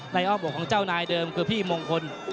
อ้อบวกของเจ้านายเดิมคือพี่มงคล